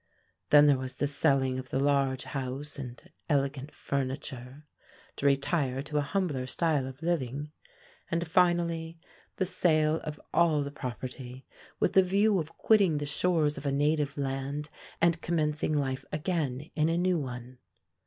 Then there was the selling of the large house and elegant furniture, to retire to a humbler style of living; and finally, the sale of all the property, with the view of quitting the shores of a native land, and commencing life again in a new one.